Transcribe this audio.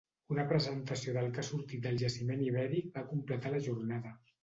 Una presentació del que ha sortit del jaciment ibèric va completar la jornada.